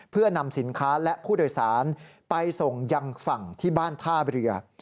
เพื่อนำสินค้าและผู้โดยสารไปส่งยังฝั่งที่บ้านท่าเรือ